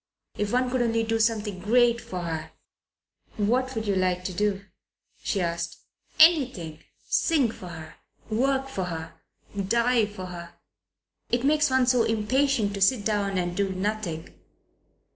"If one could only do something great for her!" "What would you like to do?" she asked. "Anything. Sing for her. Work for her. Die for her. It makes one so impatient to sit down and do nothing.